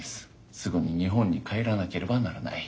すぐに日本に帰らなければならない。